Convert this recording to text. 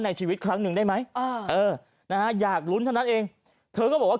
ชีวิตครั้งหนึ่งได้ไหมอ่าเออนะฮะอยากลุ้นเท่านั้นเองเธอก็บอกว่า